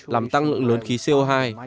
làm tăng lượng lớn khí co hai